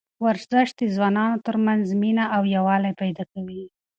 ورزش د ځوانانو ترمنځ مینه او یووالی پیدا کوي.